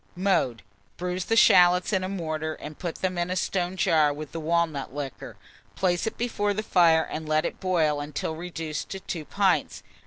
Mode. Bruise the shalots in a mortar, and put them in a stone jar with the walnut liquor; place it before the fire, and let it boil until reduced to 2 pints.